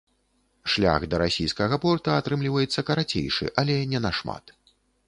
Шлях да расійскага порта атрымліваецца карацейшы, але не нашмат.